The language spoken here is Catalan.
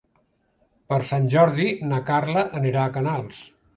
Per Sant Jordi na Carla anirà a Canals.